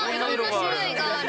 種類がある。